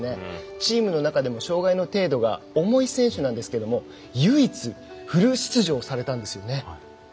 チームの中でも障がいの程度が重い選手なんですが唯一フル出場されたんです。